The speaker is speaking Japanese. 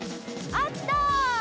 あった！